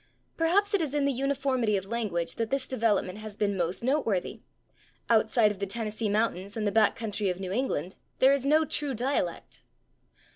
Perhaps it is in the uniformity of language that this development has been most noteworthy. Outside of the Tennessee mountains and the back country of New England there is no true dialect."